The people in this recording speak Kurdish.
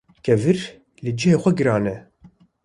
Kevir li cihê xwe giran e